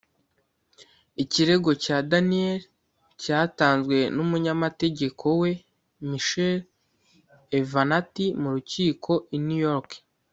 Ikirego cya Daniels cyatanzwe n’umunyamategeko we Michael Avenatti mu rukiko i New York